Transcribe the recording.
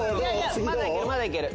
まだいけるまだいける。